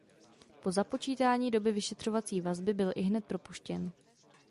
Po započítání doby vyšetřovací vazby byl ihned propuštěn.